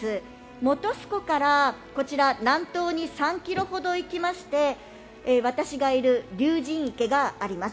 本栖湖からこちら南東に３ｋｍほど行きまして私がいる竜神池があります。